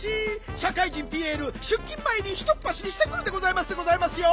しゃかい人ピエールしゅっきんまえにひとっぱしりしてくるでございますでございますよ。